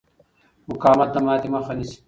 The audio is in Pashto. مقاومت د ماتې مخه نیسي.